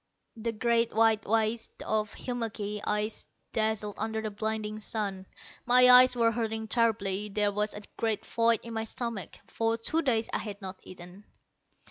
The great white waste of hummocky ice dazzled under the blinding sun. My eyes were hurting terribly. There was a great void in my stomach. For two days I had not eaten.